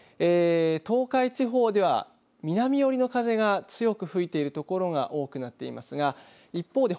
東海地方では南寄りの風が強く吹いている所が多くなっていますが一方で。